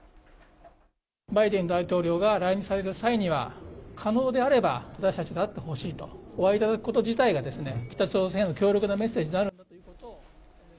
バイデン大統領が来日される際には、可能であれば、私たちと会ってほしいと、お会いいただくこと自体が北朝鮮への強力なメッセージである。